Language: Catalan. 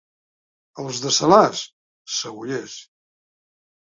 Els de Salàs, cebollers.